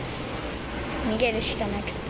逃げるしかなくて。